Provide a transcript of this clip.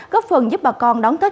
góp phần giúp bà con đón tết